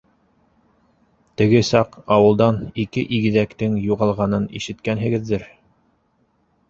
Теге саҡ ауылдан ике игеҙәктең юғалғанын ишеткәнһегеҙҙер?